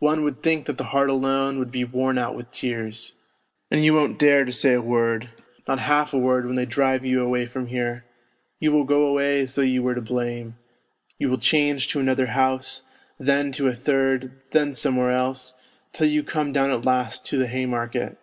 One would think that the heart alone would be worn out with tears. And you won't dare to say a word, not half a word when they drive you away from here ; you will go away as though j'ou were to blame. You will change to another house, then to a third, then somewhere else, till you come down at last to the Haymarket.